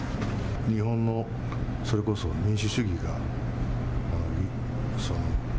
日本のそれこそ、民主主義が。